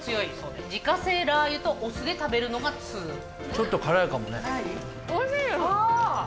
ちょっと辛いかもね。